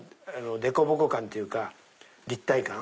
でこぼこ感っていうか立体感。